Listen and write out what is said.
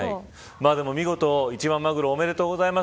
でも、見事一番マグロおめでとうございます。